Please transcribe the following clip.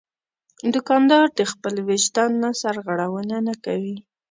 دوکاندار د خپل وجدان نه سرغړونه نه کوي.